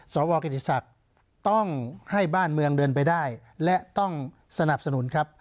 สวกิติศักดิ์ต้องให้บ้านเมืองเดินไปได้และต้องสนับสนุนครับ